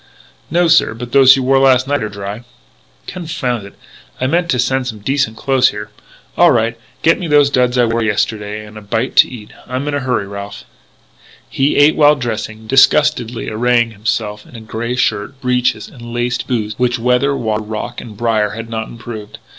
"No, sir. But those you wore last night are dry " "Confound it! I meant to send some decent clothes here All right; get me those duds I wore yesterday and a bite to eat! I'm in a hurry, Ralph " He ate while dressing, disgustedly arraying himself in the grey shirt, breeches, and laced boots which weather, water, rock, and brier had not improved.